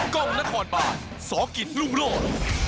กล้องนครบาลสอกิศรุ่งโลก